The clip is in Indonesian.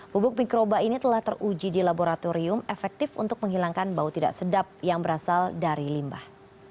pupuk mikroba ini telah teruji di laboratorium efektif untuk menghilangkan bau tidak sedap yang berasal dari limbah